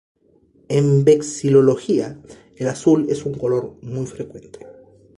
En vexilología, el azul es un color muy frecuente.